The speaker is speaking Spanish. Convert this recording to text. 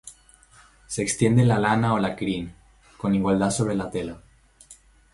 Se extiende la lana o la crin con igualdad sobre la tela.